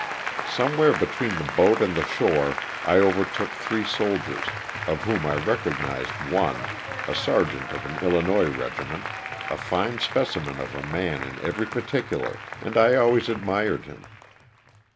Somewhere between the boat and the shore T over took three soldiers, of whom I recognized one, a ser geant of an Illinois regiment, a fine specimen of a man in every particular and I always admired him.